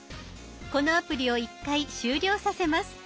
このアプリを一回終了させます。